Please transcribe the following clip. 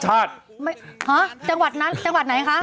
หาจังหวัดไหนคะ